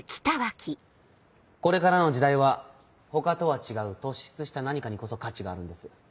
これからの時代は他とは違う突出した何かにこそ価値があるんです。